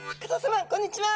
こんにちは。